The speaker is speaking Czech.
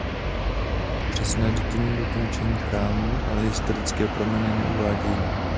Přesné datum dokončení chrámu ale historické prameny neuvádějí.